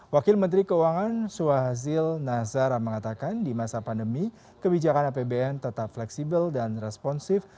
wakil menteri keuangan swahazil nazara mengatakan di masa pandemi kebijakan apbn tetap fleksibel dan responsif